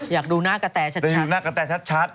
อยากดูหน้ากะแตชัด